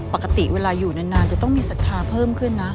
ปกติเวลาอยู่นานจะต้องมีศรัทธาเพิ่มขึ้นนะ